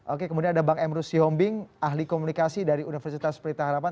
oke kemudian ada bang emrus sihombing ahli komunikasi dari universitas perintah harapan